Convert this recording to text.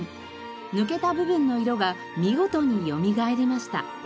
抜けた部分の色が見事によみがえりました。